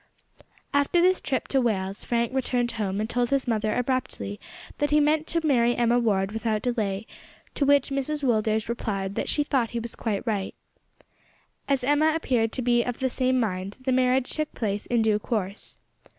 After this trip to Wales, Frank returned home and told his mother abruptly that he meant to marry Emma Ward without delay, to which Mrs Willders replied that she thought he was quite right. As Emma appeared to be of the same mind the marriage took place in due course.